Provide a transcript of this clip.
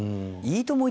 『いいとも！』